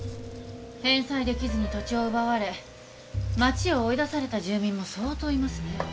返済できずに土地を奪われ町を追い出された住民も相当いますね。